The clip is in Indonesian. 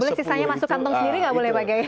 gak boleh sih saya masuk kantong sendiri gak boleh pakai